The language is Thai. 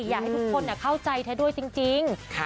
อยากให้ทุกคนอ่ะเข้าใจเธอด้วยจริงจริงค่ะ